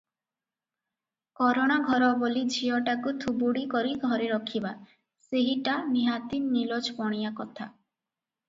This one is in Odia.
କରଣ ଘର ବୋଲି ଝିଅଟାକୁ ଥୁବୁଡ଼ୀ କରି ଘରେ ରଖିବା, ସେହିଟା ନିହାତି ନିଲଜପଣିଆ କଥା ।